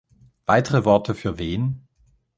Weitere Worte für wen?